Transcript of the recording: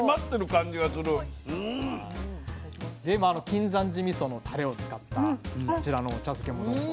金山寺みそのタレを使ったこちらのお茶漬けもどうぞ。